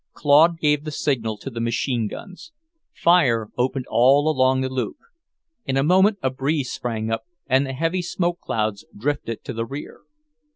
Claude gave the signal to the machine guns. Fire opened all along the loop. In a moment a breeze sprang up, and the heavy smoke clouds drifted to the rear.